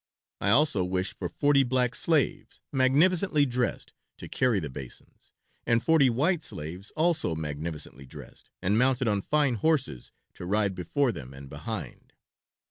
I also wish for forty black slaves, magnificently dressed, to carry the basins, and forty white slaves, also magnificently dressed and mounted on fine horses, to ride before them and behind."